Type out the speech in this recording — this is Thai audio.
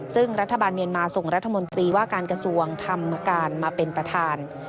ซึ่งรัฐบาลเมียนมาส่งรัฐมนตรีว่าการกระทรวงธรรมการมาเป็นประธาน